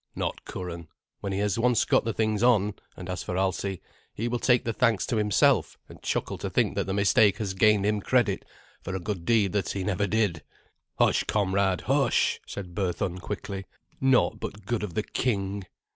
"Not Curan, when he has once got the things on; and as for Alsi, he will take the thanks to himself, and chuckle to think that the mistake has gained him credit for a good deed that he never did." "Hush, comrade, hush!" said Berthun quickly; "naught but good of the king!"